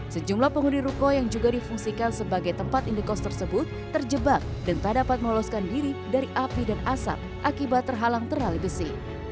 sejumlah penghuni ruko yang juga difungsikan sebagai tempat indikos tersebut terjebak dan tak dapat meloloskan diri dari api dan asap akibat terhalang terali besi